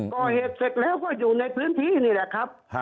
ก่อเหตุเสร็จแล้วก็อยู่ในพื้นที่นี่แหละครับ